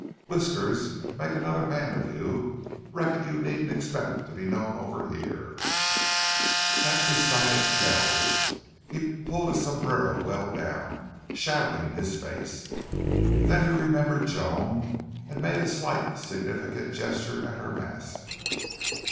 "Whiskers make another man of you. Reckon you needn't expect to be known over here." That decided Kells. He pulled his sombrero well down, shadowing his face. Then he remembered Joan and made a slight significant gesture at her mask.